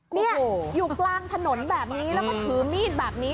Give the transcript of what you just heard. นี่อยู่กลางถนนแบบนี้แล้วก็ถือมีดแบบนี้